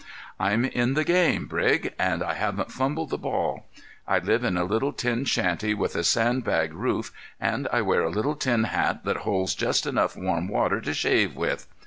I'm in the game, Brig, and I haven't fumbled the ball. I live in a little tin shanty with a sand bag roof, and I wear a little tin hat that holds just enough warm water to shave with.